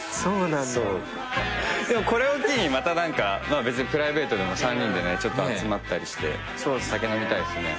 これを機にまたプライベートでも３人でちょっと集まったりして酒飲みたいっすね。